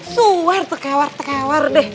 suar tekewar tekewar deh